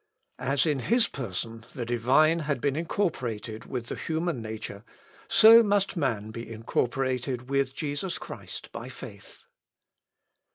As in his person the Divine has been incorporated with the human nature, so must man be incorporated with Jesus Christ by faith."